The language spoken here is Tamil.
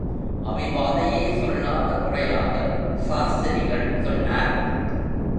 அபிவாதையே சொல்லாத குறையாக சாஸ்திரிகள் சொன்னார்.